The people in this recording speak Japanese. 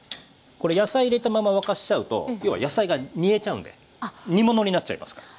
これ野菜入れたまま沸かしちゃうと要は野菜が煮えちゃうんで煮物になっちゃいますから。